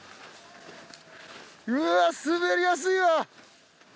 うわ滑りやすいわ。